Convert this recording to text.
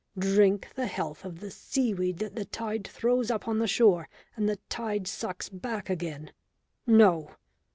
Drink the health of the seaweed that the tide throws up on the shore and the tide sucks back again? No!